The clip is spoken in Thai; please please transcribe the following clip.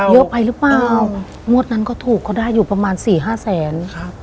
เยอะไปหรือเปล่ามวดนั้นก็ถูกก็ได้อยู่ประมาณ๔๕แสน